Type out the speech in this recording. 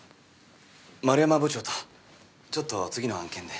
丸山部長とちょっと次の案件で。